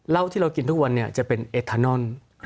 เหล้าที่เรากินทุกวันจะเป็นเอทานอน